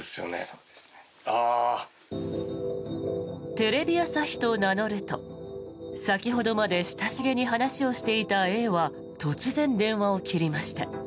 テレビ朝日と名乗ると先ほどまで親しげに話をしていたＡは突然、電話を切りました。